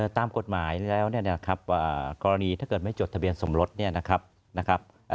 ตามกฎหมายแล้วเนี่ยนะครับกรณีถ้าเกิดไม่จดทะเบียนสมรสเนี่ยนะครับ